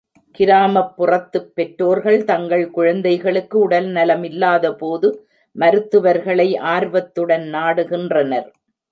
கிராமப்புறத்துப் பெற்றோர்கள் தங்கள் குழந்தைகளுக்கு உடல்நலமில்லாதபோது, மருத்துவர்களை ஆர்வத்துடன் நாடுகின்றனர்.